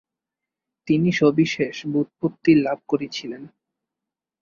তিনি সবিশেষ ব্যুৎপত্তি লাভ করেছিলেন।